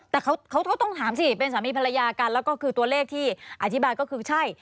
แต่เขาก็ต้องถามสิเป็นสามีภรรยากันแล้วก็คือตัวเลขที่อธิบายก็คือใช่